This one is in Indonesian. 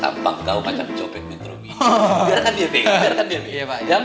tampang kau macam copet metromin